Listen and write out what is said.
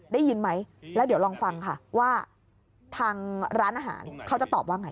ได้ยินไหมแล้วเดี๋ยวลองฟังค่ะว่าทางร้านอาหารเขาจะตอบว่าไง